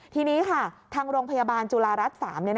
ทีนี้ค่ะทางโรงพยาบาลจุฬารัฐ๓